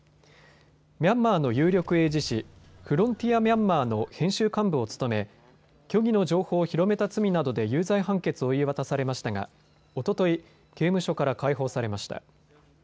ミャンマーの有力英字誌、フロンティア・ミャンマーの編集幹部を務め虚偽の情報を広めた罪などで有罪判決を言い渡されましたがおととい、刑務所から解放されました。